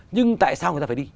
nhưng tại sao người ta phải đi